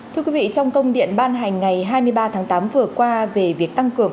thưa quý vị trong công điện ban hành ngày hai mươi ba tháng tám vừa qua về việc tăng cường